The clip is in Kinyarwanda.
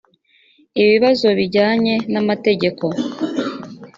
ibibazo bijyanye n amategeko